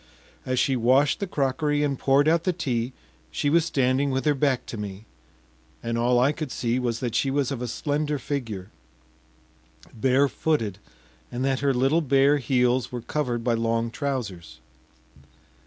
As she washed the crockery and poured out the tea, she was standing with her back to me, and all I could see was that she was of a slender figure, barefooted, and that her little bare heels were covered by long trousers.